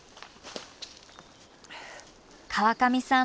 川上さん